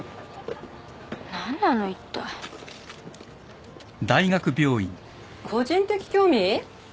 何なのいったい個人的興味？